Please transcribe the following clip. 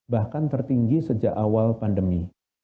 bahkan tertinggi sejak awal pandemi